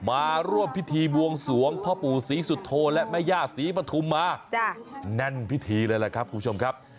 มาร่วมพิธีบวงสวงพระปู่ศรีสุโธนและมญาศรีมถุมมาจ้ะนั้นพิธีเลยนะครับคุณผู้ชมครับ